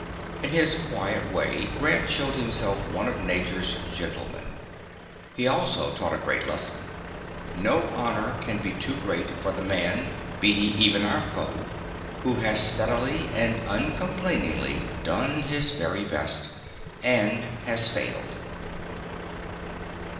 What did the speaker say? In his quiet way Grant showed himself one of nature's gentlemen. He also taught a great lesson. No honor can be too great for the man, be he even our foe, who has steadily and uncomplainingly done his very best and has failed.